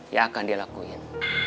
yang akan dilakuin